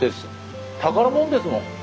宝物ですもん。